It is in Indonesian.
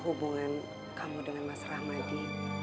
hubungan kamu dengan mas ramadi